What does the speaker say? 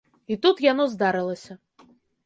І тут яно здарылася.